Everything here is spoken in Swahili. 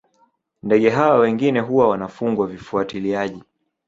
Ndege hawa wengine huwa wanafungwa vifuatiliaji